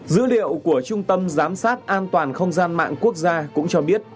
dữ liệu của trung tâm giám sát an toàn không gian mạng quốc gia cũng cho biết